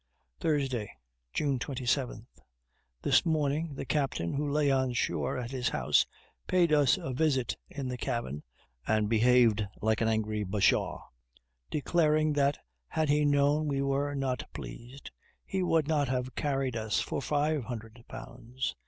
Thursday, June 27. This morning the captain, who lay on shore at his own house, paid us a visit in the cabin, and behaved like an angry bashaw, declaring that, had he known we were not to be pleased, he would not have carried us for five hundred pounds.